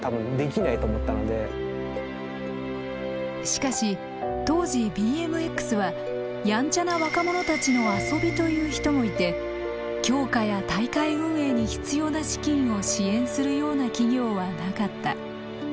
しかし当時ＢＭＸはヤンチャな若者たちの遊びという人もいて強化や大会運営に必要な資金を支援するような企業はなかった。